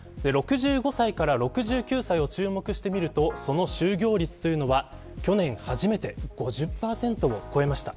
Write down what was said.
６５歳から６９歳を注目してみると、その就業率は去年初めて５０％を超えました。